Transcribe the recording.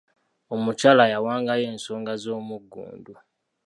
Omukyala yawangayo ensonga z'omugundu.